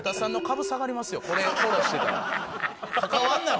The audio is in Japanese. これフォローしてたら。